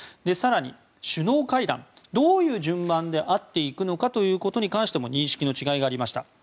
更に、首脳会談どういう順番で会っていくのかということに関しても認識の違いがありました。